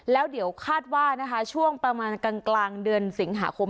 แล้วเดี๋ยวคาดว่านะคะช่วงประมาณกลางเดือนสิงหาคม